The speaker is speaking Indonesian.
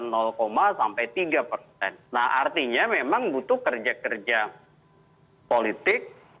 nah artinya memang butuh kerja kerja politik